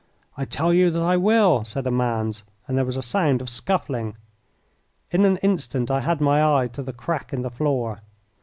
"I tell you that I will!" said a man's, and there was a sound of scuffling. In an instant I had my eye to the crack in the floor.